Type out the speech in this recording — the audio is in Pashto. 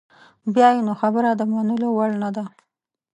بیا یې نو خبره د منلو وړ نده.